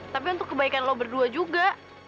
tapi untuk kebaikan lo berdua juga